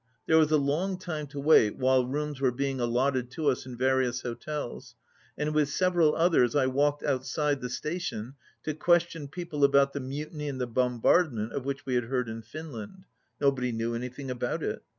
There was a long time to wait while rooms were being allotted to us in various hotels, and with several others I walked outside the station to question people about the mutiny and the bombardment of which we had heard in Finland. Nobody knew anything about it.